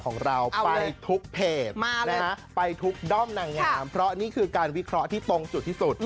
ของเราไปทุกเพจไปทุกด้อมนางงามเพราะนี่คือการวิเคราะห์ที่ตรงจุดที่สุด